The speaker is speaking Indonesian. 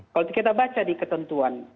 kalau kita baca di ketentuan